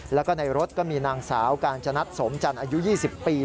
แล้วก็ในรถก็มีนางสาวกาญจนัดสมจันทร์อายุ๒๐ปี